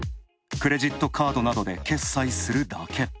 クレジットカードなどで決済するだけ。